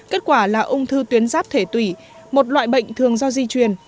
kết quả là ung thư tuyến ráp thể tùy một loại bệnh thường do di truyền